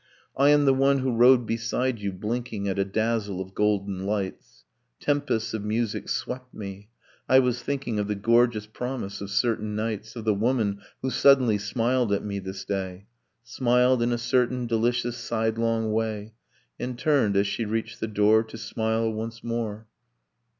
'I am the one who rode beside you, blinking At a dazzle of golden lights. Tempests of music swept me: I was thinking Of the gorgeous promise of certain nights: Of the woman who suddenly smiled at me this day, Smiled in a certain delicious sidelong way, And turned, as she reached the door, To smile once more